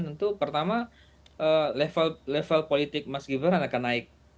tentu pertama level politik mas gibran akan naik